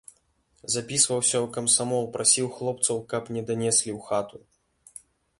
Запісваўся ў камсамол, прасіў хлопцаў, каб не данеслі ў хату.